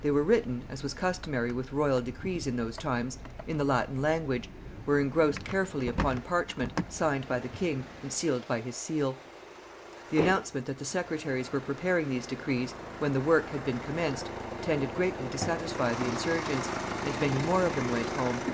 They were written, as was customary with royal decrees in those times, in the Latin language, were engrossed carefully upon parchment, signed by the king, and sealed by his seal. The announcement that the secretaries were preparing these decrees, when the work had been commenced, tended greatly to satisfy the insurgents, and many more of them went home.